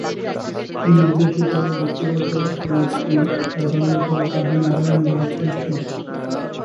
নির্দেশিত ব্যক্তিগত রূপটি সাধারণত আদি নারায়ণ বা কৃষ্ণ।